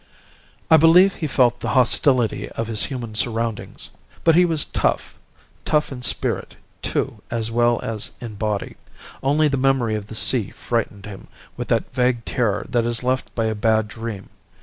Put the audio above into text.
"I believe he felt the hostility of his human surroundings. But he was tough tough in spirit, too, as well as in body. Only the memory of the sea frightened him, with that vague terror that is left by a bad dream.